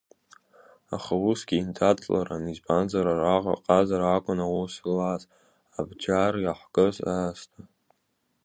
Аха усгьы еиндаҭларан, избанзар, араҟа аҟазара акәын аус злаз, абџьар иаҳкыз аасҭа.